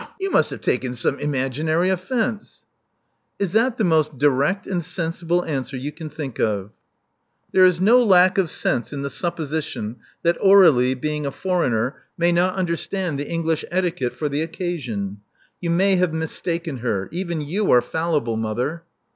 "Pshaw! You must have taken some imaginary offence." "Is that the most direct and sensible answer you can think of?" "There is no lack of sense in the supposition that Aur61ie, being a foreigner, may not understand the Love Among the Artists 339 English etiquette for the occasion. You may have mistaken her. Even you are fallible, mother."